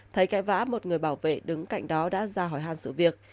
thấy cãi vã một người bảo vệ đứng cạnh đó đã ra hỏi hàn sự việc